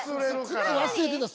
靴忘れてた。